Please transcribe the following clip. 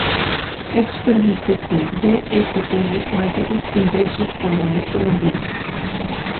Esto permite que el VfL mayores ingresos por boleto vendido.